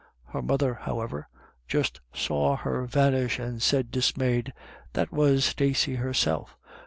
Her mother, however, just saw her vanish, and said dismayed :" That was Stacey herself.